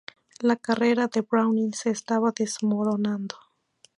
La carrera de Browning se estaba desmoronando.